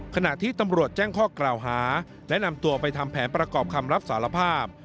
ขณะที่ตำรวจแจ้งข้อกล่าวหาและนำตัวไปทำแผนประกอบคำรับสารภาพ